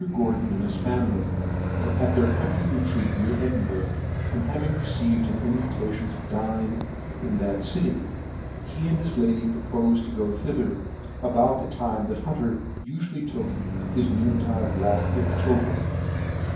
Gordon and his family were at their country retreat very near Edinburgh ; and having received an invitation to dine in that city, he 5 2 NEW NEWGATE CALENDAR. he and his lady propofed to go thither about the time that Hunterufually took his noon tide walk with the children.